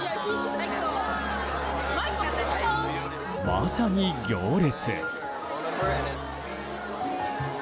まさに行列。